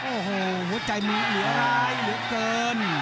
โอโหโหใจมีเหลืออะไรหรือเกิน